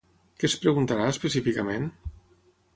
Què es preguntarà, específicament?